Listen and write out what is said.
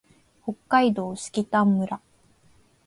北海道色丹村